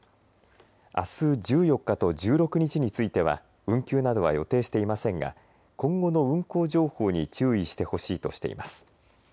あす１４日と１６日については運休などは予定していませんが今後の運行情報に注意してほしいとしています。